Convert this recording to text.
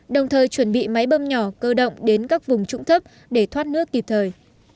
đồng thời chuẩn bị máy bơm nhỏ cơ động đến các vùng trũng thấp để thoát nước kịp thời